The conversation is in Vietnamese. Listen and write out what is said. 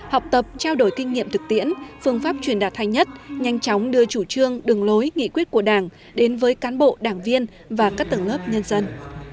học tập trao đổi kinh nghiệm thực tiễn phương pháp truyền đạt thay nhất nhanh chóng đưa chủ trương đường lối nghị quyết của đảng đến với cán bộ đảng viên và các tầng lớp nhân dân